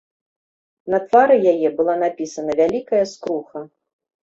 На твары яе была напісана вялікая скруха.